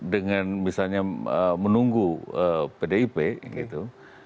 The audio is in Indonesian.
dengan misalnya menunggu pdip gitu